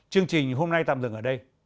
chương trình hôm nay tạm dừng ở đây